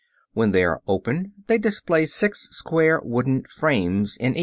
When they are opened they display six square wooden "frames" in each.